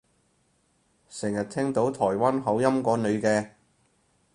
成日聽到台灣口音個女嘅